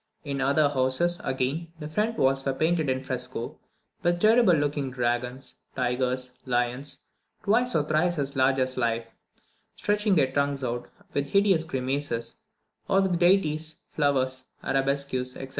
In other houses, again, the front walls were painted in fresco, with terrible looking dragons, tigers, lions, twice or thrice as large as life, stretching their tongues out, with hideous grimaces; or with deities, flowers, arabesques, etc.